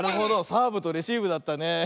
サーブとレシーブだったね。